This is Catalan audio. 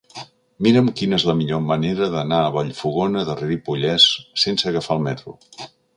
Mira'm quina és la millor manera d'anar a Vallfogona de Ripollès sense agafar el metro.